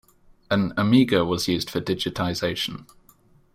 An Amiga was used for digitisation.